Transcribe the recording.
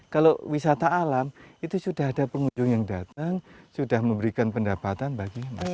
kalau wisata alam itu sudah ada pengunjung yang datang sudah memberikan pendapatan bagi masyarakat